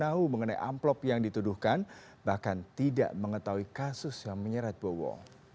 tidak tahu menahu mengenai amplop yang dituduhkan bahkan tidak mengetahui kasus yang menyerat bowo